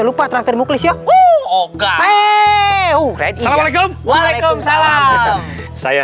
lima g lupa traktir mukulis ya oh nggak illusion waalaikumsalam waalaikumsalam saya